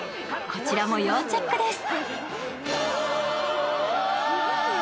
こちらも要チェックです。